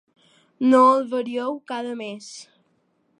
No el varieu cada mes.